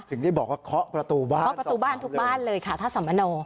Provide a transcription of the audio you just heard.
ถึงได้บอกว่าเคาะประตูบ้านทุกบ้านเลยค่ะถ้าสำโน